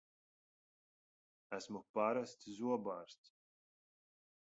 Esmu parasts zobārsts!